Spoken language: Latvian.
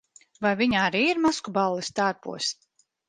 Vai viņi arī ir maskuballes tērpos?